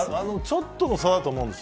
ちょっとの差だと思います。